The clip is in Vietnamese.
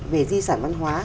về di sản văn hóa